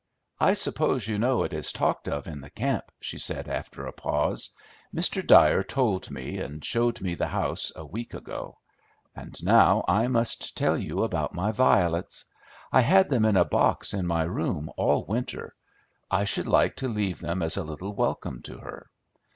"I suppose you know it is talked of in the camp," she said, after a pause. "Mr. Dyer told me, and showed me the house, a week ago. And now I must tell you about my violets. I had them in a box in my room all winter. I should like to leave them as a little welcome to her.